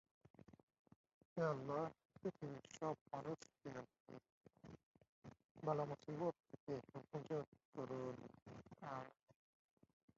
ডানহাতি উদ্বোধনী বোলার ছিলেন ফারুক হামিদ।